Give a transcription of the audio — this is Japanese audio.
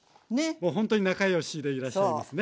ほんとに仲良しでいらっしゃいますね。